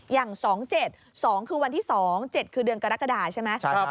อย่าง๒๗๒คือวันที่๒๗คือเดือนกรกฎาใช่ไหม